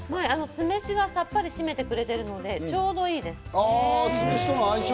酢飯がさっぱり締めてくれているのでちょうどいいです。